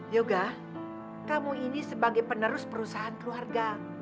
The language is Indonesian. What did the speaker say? yoga kamu ini sebagai penerus perusahaan keluarga